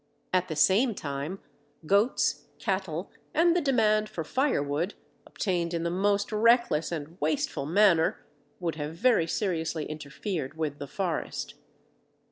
At the same time goats, cattle, and the demand for firewood, obtained in the most reckless and wasteful manner, would have very seriously interfered with the forest.